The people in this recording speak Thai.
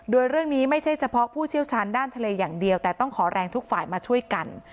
โดยเรื่องนี้ไม่ใช่เฉพาะผู้เชี่ยวชาญด้านทะเลอย่างเดียวแต่ต้องขอแรงทุกฝ่ายมาช่วยกัน